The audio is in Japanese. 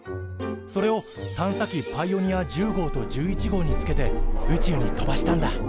それを探査機パイオニア１０号と１１号につけて宇宙に飛ばしたんだ。